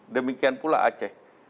demikian pula aceh